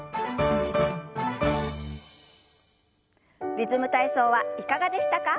「リズム体操」はいかがでしたか？